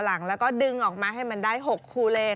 หลังแล้วก็ดึงออกมาให้มันได้๖คู่เลข